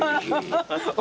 ハハハハ！